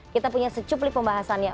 kita punya secuplik pembahasannya